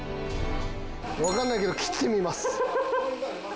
わかんないけど切ってみます。